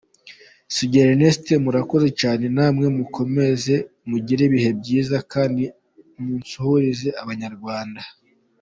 Sugira Ernest: Murakoze cyane namwe mukomeze mugire ibihe byiza kandi munsuhurize abanyarwanda.